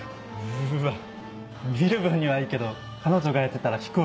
うわ見る分にはいいけど彼女がやってたら引くわ。